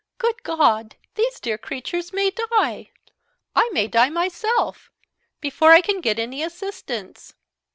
Good God! those dear creatures may die I may die myself before I can get any assistance!"